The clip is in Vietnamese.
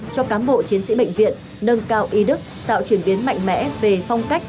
cho cán bộ chiến sĩ bệnh viện nâng cao y đức tạo chuyển biến mạnh mẽ về phong cách